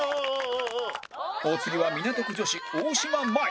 お次は港区女子大島麻衣